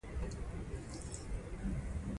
مبارک شه! ستاسو لور پیدا شوي.